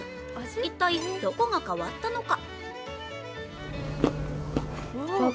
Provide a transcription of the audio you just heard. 一体どこが変わったのか。